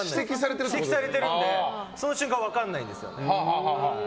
指摘されてるのでその瞬間、分からないんですよ。